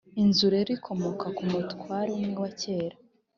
inzu rero ikomoka ku mutware umwe wa cyera